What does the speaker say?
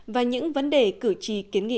và những vấn đề cử tri kiến nghị